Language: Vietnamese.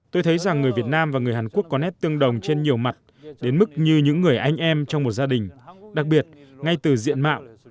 tôi thấy rằng người việt nam và người hàn quốc có nét tương đồng trên nhiều mặt đến mức như những người anh em trong một gia đình đặc biệt ngay từ diện mạo